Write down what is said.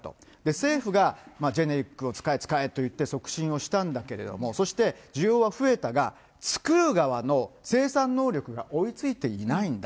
政府がジェネリックを使え使えといって、促進したんだけれども、そして需要は増えたが、作る側の生産能力が追いついていないんだ。